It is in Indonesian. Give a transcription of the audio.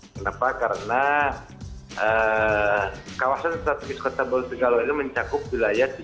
kenapa karena kawasan strategis kota baru tiga luar ini mencakup wilayah tiga lima ratus hektare